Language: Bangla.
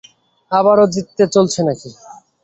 আবারও জিততে চলেছ নাকি?